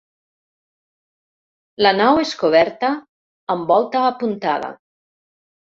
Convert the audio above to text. La nau és coberta amb volta apuntada.